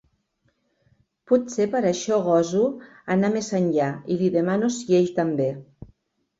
Potser per això goso anar més enllà i li demano si ell també.